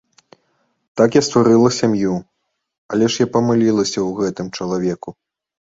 Так я стварыла сям'ю, але ж я памылілася ў гэтым чалавеку!